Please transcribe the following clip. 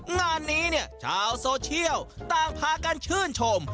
งานนี้เจ้าโซเชียลตามพากันชื่นชม